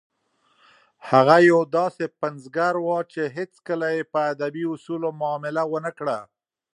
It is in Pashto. هغه یو داسې پنځګر و چې هیڅکله یې په ادبي اصولو معامله ونه کړه.